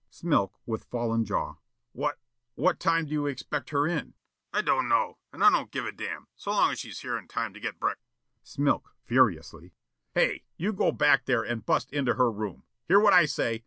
Smilk, with fallen jaw: "What what time do you expect her in?" Plaza 00100: "I don't know, and I don't give a damn so long as she's here in time to get break " Smilk, furiously: "Hey, you go back there and bust into her room. Hear what I say?